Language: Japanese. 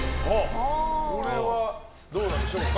これはどうなんでしょうか。